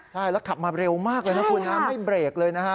ใช่แล้วขับมาเร็วมากเลยนะคุณนะไม่เบรกเลยนะฮะ